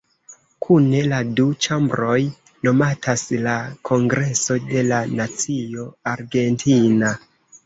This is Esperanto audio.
Kune la du ĉambroj nomatas la "Kongreso de la Nacio Argentina".